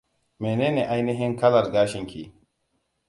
Menene ainihin kalar gashinki?